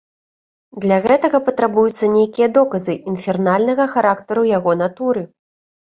Для гэтага патрабуюцца нейкія доказы інфернальнага характару яго натуры.